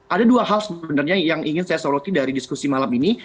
ada dua hal sebenarnya yang ingin saya soroti dari diskusi malam ini